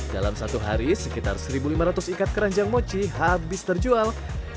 dalam satu hari sekitar satu lima ratus ikat keranjang mochi habis terjual